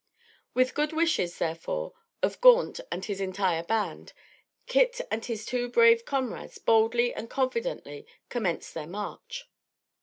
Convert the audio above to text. With the good wishes, therefore, of Gaunt and his entire band, Kit and his two brave comrades boldly and confidently commenced their march.